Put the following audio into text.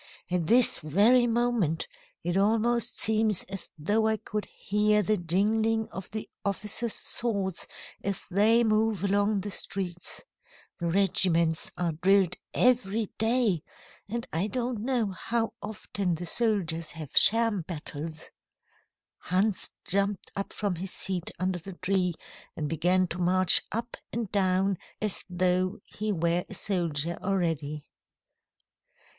At this very moment, it almost seems as though I could hear the jingling of the officers' swords as they move along the streets. The regiments are drilled every day, and I don't know how often the soldiers have sham battles." Hans jumped up from his seat under the tree and began to march up and down as though he were a soldier already.